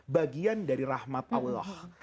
bagian dari rahmat allah